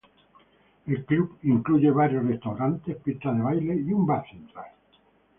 El club incluye varios restaurantes, pistas de baile y un bar central.